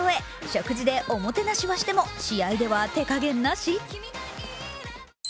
食事でおもてなししても試合では手加減なし？